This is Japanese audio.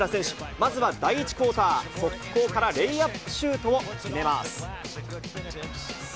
まずは第１クオーター、速攻からレイアップシュートを決めます。